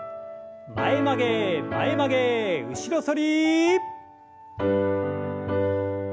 前曲げ前曲げ後ろ反り。